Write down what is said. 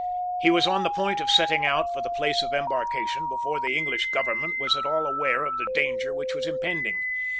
He was on the point of setting out for the place of embarkation before the English government was at all aware of the danger which was impending.